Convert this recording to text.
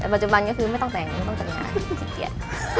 แต่ปัจจุบันก็คือไม่ต้องแต่งไม่ต้องแต่งงานขี้เกียจ